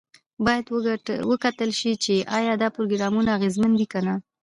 باید وکتل شي چې ایا دا پروګرامونه اغیزمن دي که نه.